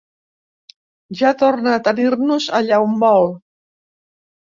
Ja torna a tenir-nos allà on vol.